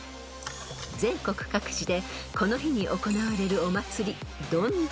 ［全国各地でこの日に行われるお祭り］